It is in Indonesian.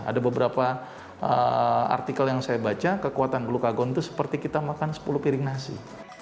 ada beberapa artikel yang saya baca kekuatan glukagon itu seperti kita makan sepuluh piring nasi